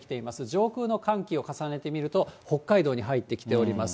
上空の寒気を重ねてみると、北海道に入ってきております。